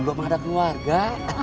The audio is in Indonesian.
lu mah ada keluarga